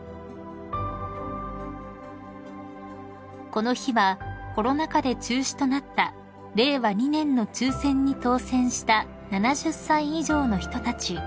［この日はコロナ禍で中止となった令和２年の抽選に当選した７０歳以上の人たち